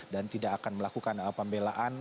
tidak akan melakukan pembelaan